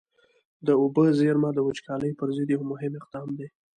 د اوبو زېرمه د وچکالۍ پر ضد یو مهم اقدام دی.